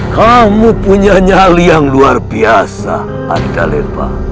kamu punya nyali yang luar biasa adhika lepa